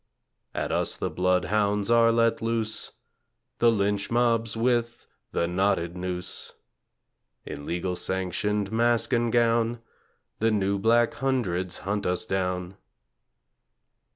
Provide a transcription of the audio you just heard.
At us the blood hounds are let loose, The lynch mobs with the knotted noose; In legal sanctioned mask and gown The New Black Hundreds hunt us down.